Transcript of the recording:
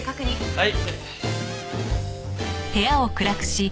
はい。